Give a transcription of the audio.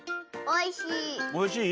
おいしい？